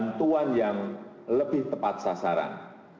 bantuan yang lebih tepat sasaran